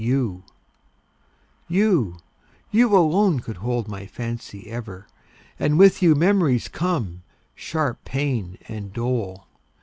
You, you alone could hold my fancy ever! And with you memories come, sharp pain, and dole.